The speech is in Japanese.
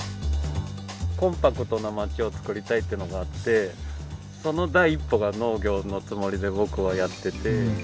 コンパクトな町をつくりたいっていうのがあってその第一歩が農業のつもりで僕はやってて。